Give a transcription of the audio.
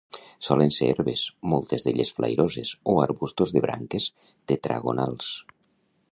Solen ser herbes, moltes d'elles flairoses, o arbustos de branques tetragonals.